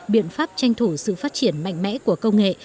biện pháp tranh thủ sự phát triển mạnh mẽ của công nghệ